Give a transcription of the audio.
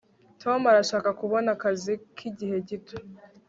tom arashaka kubona akazi k'igihe gito